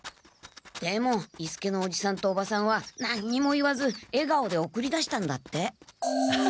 でも伊助のおじさんとおばさんは何にも言わずえがおで送り出したんだって。